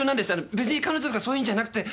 別に彼女とかそういうんじゃなくて。